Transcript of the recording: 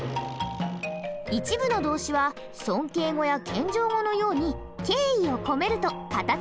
一部の動詞は尊敬語や謙譲語のように敬意を込めると形が変化します。